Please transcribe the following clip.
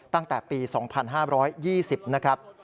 ตั้งแต่ปี๒๕๒๐นะครับ